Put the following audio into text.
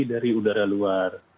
dari udara luar